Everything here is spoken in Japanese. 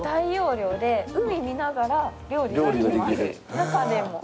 中でも。